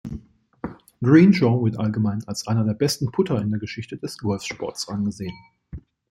Crenshaw wird allgemein als einer der besten Putter in der Geschichte des Golfsports angesehen.